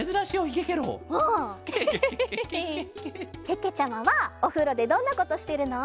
けけちゃまはおふろでどんなことしてるの？